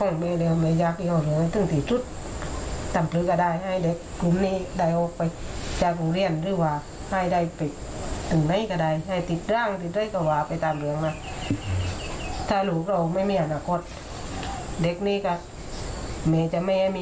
ส่วนทางด้านคุณแม่เนี่ยนะคะก็ไปแจ้งความ